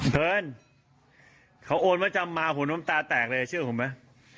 เพลินเขาโอนมาจำมาหัวน้ำตาแตกเลยเชื่อผมไหม